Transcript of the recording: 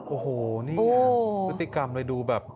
โอ้โหเนี่ยพฤติกรรมเลยดูแบบ